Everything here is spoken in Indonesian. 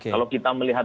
kalau kita melihat